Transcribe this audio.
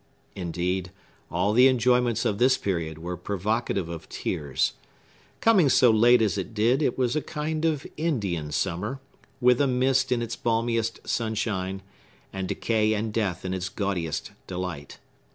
Indeed, all the enjoyments of this period were provocative of tears. Coming so late as it did, it was a kind of Indian summer, with a mist in its balmiest sunshine, and decay and death in its gaudiest delight.